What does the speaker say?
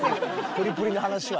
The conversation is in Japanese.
「プリプリ」の話は。